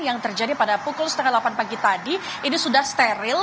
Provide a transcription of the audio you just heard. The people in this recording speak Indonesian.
yang terjadi pada pukul setengah delapan pagi tadi ini sudah steril